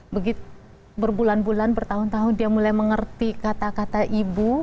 begitu berbulan bulan bertahun tahun dia mulai mengerti kata kata ibu